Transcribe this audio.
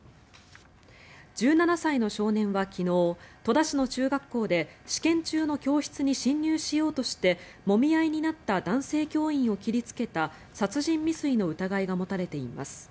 １７歳の少年は昨日戸田市の中学校で試験中の教室に侵入しようとしてもみ合いになった男性教員を切りつけた殺人未遂の疑いが持たれています。